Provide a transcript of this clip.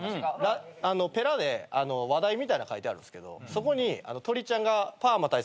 ペラで話題みたいなの書いてあるんすけどそこに。